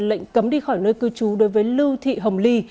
lệnh cấm đi khỏi nơi cư trú đối với lưu thị hồng ly